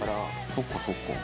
そっかそっか。